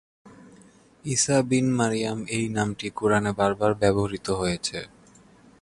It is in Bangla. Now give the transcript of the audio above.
ঈসা বিন মারিয়াম এই নামটি কুরআনে বারবার ব্যবহৃত হয়েছে।